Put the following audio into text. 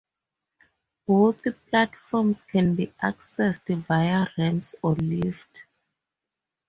Both platforms can be accessed via ramps or lifts.